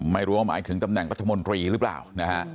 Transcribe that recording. หมายถึงตำแหน่งรัฐมนตรีหรือเปล่านะฮะ